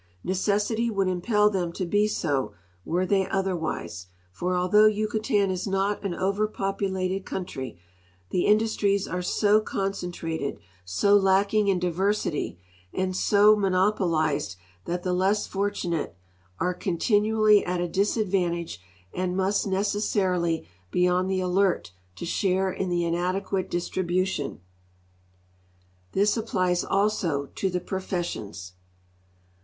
Necessity would impel them to be so were they otherwise, for although Yucatan is notan over poi>ulated coun try the industries are so concentrated, s(j lacking in diversity, and so nio nopolizeil that the less fortunate are continually at a disadvantage and must necessarily be on tin? alert to share in the inadeipiate distribution. This applies also t<j the i>rofessions.